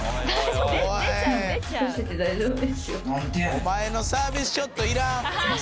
お前のサービスショットいらん！